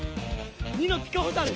２のピカホタル！